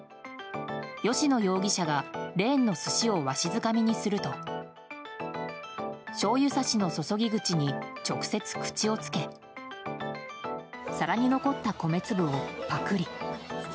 吉野容疑者がレーンの寿司をわしづかみにするとしょうゆさしの注ぎ口を直接、口につけ皿に残った米粒をぱくり。